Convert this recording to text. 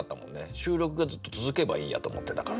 収録がずっと続けばいいやと思ってたから。